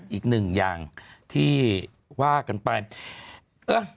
อีกหนึ่งอย่างที่ว่ากันไป